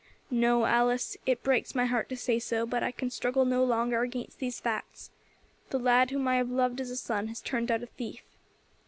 No, Alice, it breaks my heart to say so, but I can struggle no longer against these facts. The lad whom I have loved as a son has turned out a thief."